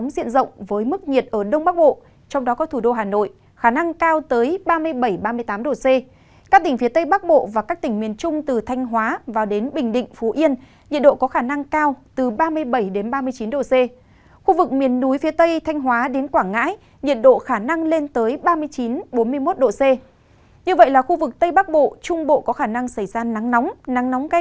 xin chào và hẹn gặp lại